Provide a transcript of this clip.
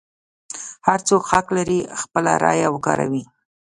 هر څوک حق لري خپله رایه وکاروي.